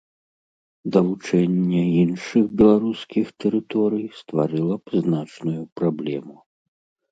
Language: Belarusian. Далучэнне іншых беларускіх тэрыторый стварыла б значную праблему.